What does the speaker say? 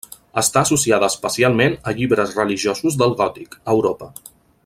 Està associada especialment a llibres religiosos del gòtic, a Europa.